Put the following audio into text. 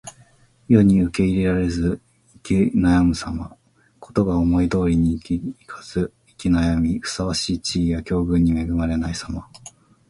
世に受け入れられず行き悩むさま。事が思い通りにいかず行き悩み、ふさわしい地位や境遇に恵まれないさま。